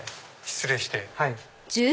失礼して。